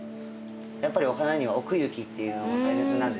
やっぱりお花には奥行きっていうのが大切なんでですね